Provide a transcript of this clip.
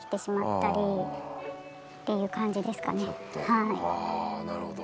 あなるほど。